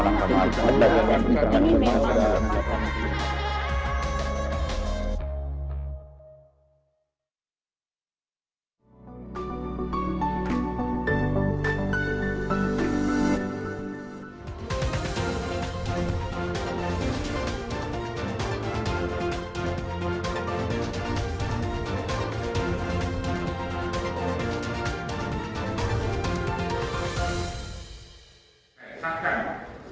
yang berbeda dan yang lebih memakai